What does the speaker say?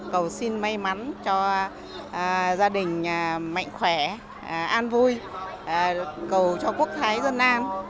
cầu xin may mắn cho gia đình mạnh khỏe an vui cầu cho quốc thái dân an